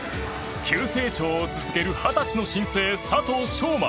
急成長を続ける二十歳の新星、佐藤翔馬。